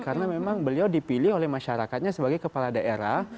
karena memang beliau dipilih oleh masyarakatnya sebagai kepala daerah